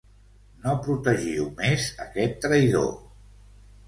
No protegiu més aquest traïdor.